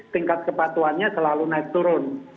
tingkat kepatuhannya selalu naik turun